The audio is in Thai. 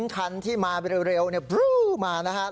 คันที่มาเร็วบรูมานะครับ